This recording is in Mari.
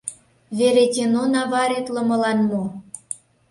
— Веретено наваритлымылан мо?